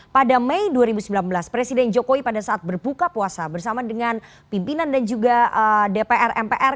pada mei dua ribu sembilan belas presiden jokowi pada saat berbuka puasa bersama dengan pimpinan dan juga dpr mpr